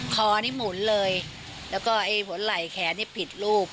ครอนี่หมุนเลยแล้วก็ไอ้ผล่ายแขนนี่ผิดรูป